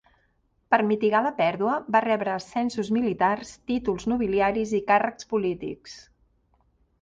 Per a mitigar la pèrdua va rebre ascensos militars, títols nobiliaris i càrrecs polítics.